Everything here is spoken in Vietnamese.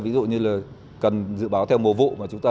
ví dụ như là cần dự báo theo mùa vụ